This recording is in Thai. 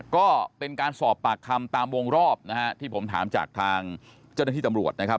ก็เป็นการสอบปากคำตามวงรอบนะฮะที่ผมถามจากทางเจ้าหน้าที่ตำรวจนะครับ